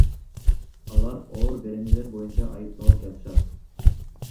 Алар оор беренелер боюнча айтыпталып жатышат.